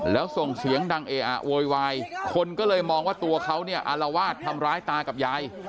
แล้วส่งเสียงดังเออะโวยวายคนก็เลยมองว่าตัวเขาเนี่ยอารวาสทำร้ายตากับยาย